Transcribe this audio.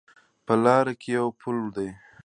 په لاره کې یو پل ده